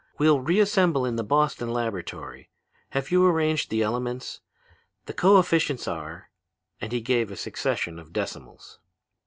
We'll reassemble in the Boston laboratory. Have you arranged the elements? The coefficients are....' And he gave a succession of decimals.